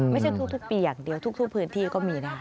ไม่ใช่ทุกปีอย่างเดียวทุกพื้นที่ก็มีนะคะ